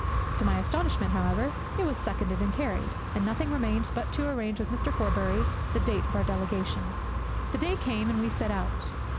To my astonishment, however, it was seconded and carried. And nothing remained but to arrange with Mr. Forbury the date of our delegation. The day came, and we set out.